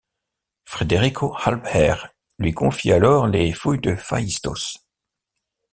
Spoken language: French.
Federico Halbherr lui confie alors les fouilles de Phaïstos.